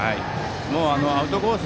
もうアウトコース